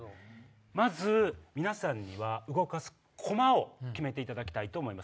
まず皆さんには動かすコマを決めていただきたいと思います。